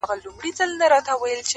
او نه هېرېدونکي پاتې کيږي ډېر،